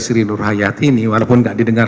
sri nur hayati ini walaupun tidak didengar